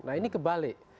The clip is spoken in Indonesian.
nah ini kebalik